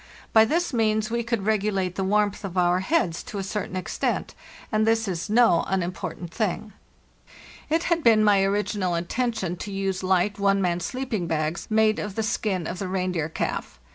By this means we could regulate the warmth of our heads to a certain extent, and this is no unimportant thing. It had been my original intention to use light one man sleeping bags, made of the skin of the reindeer calf...